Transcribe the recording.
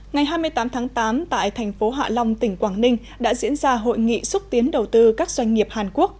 ngày hai mươi tám tháng tám tại thành phố hạ long tỉnh quảng ninh đã diễn ra hội nghị xúc tiến đầu tư các doanh nghiệp hàn quốc